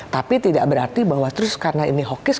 tapi tidak berarti bahwa terus karena ini hawkish